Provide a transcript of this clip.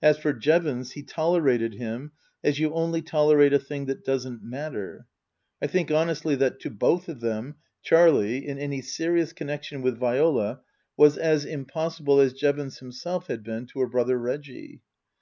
As for Jevons, he tolerated him as you only tolerate a thing that doesn't matter. I think honestly that to both of them, Charlie, in any serious connection with Viola, was as impossible as Jevons himself had been to her brother Reggie.